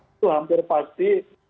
itu hampir pasti